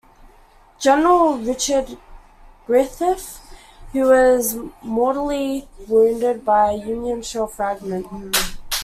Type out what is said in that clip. General Richard Griffith, who was mortally wounded by a Union shell fragment.